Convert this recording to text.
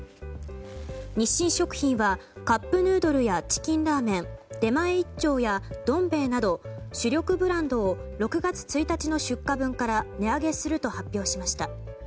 日清食品はカップヌードルやチキンラーメン出前一丁やどん兵衛など主力ブランドを６月１日の出荷分から値上げすると発表しました。